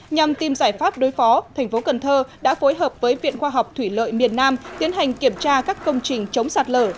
nhằm tìm giải pháp đối phó thành phố cần thơ đã phối hợp với viện khoa học thủy lợi miền nam tiến hành kiểm tra các công trình chống sạt lở